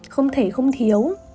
không thể không thiếu